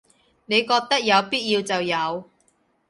你覺得有必要就有